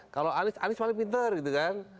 kalau anies anies paling pinter gitu kan